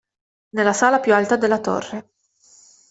Nella sala più alta della torre.